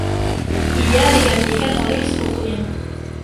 Ia digantikan oleh sepupunya.